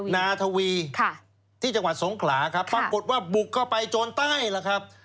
นาทวีที่จังหวัดสงขลาครับปรากฏว่าบุกเข้าไปโจรใต้ล่ะครับ